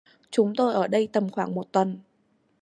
Chúng tôi ở đây tầm khoảng một tuần